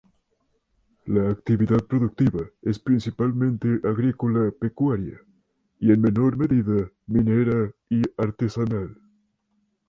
La actividad productiva es principalmente agrícola-pecuaria y en menor medida minera y artesanal.